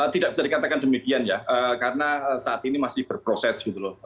tidak bisa dikatakan demikian ya karena saat ini masih berproses gitu loh